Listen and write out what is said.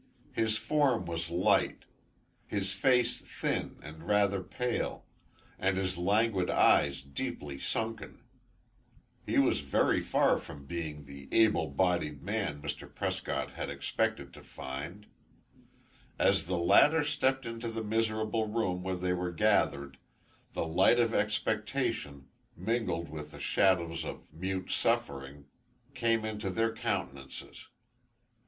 His form was light, his face thin and rather pale, and his languid eyes deeply sunken. He was very far from being the able bodied man Mr. Prescott had expected to find. As the latter stepped into the miserable room where they were gathered, the light of expectation, mingled with the shadows of mute suffering, came into their countenances.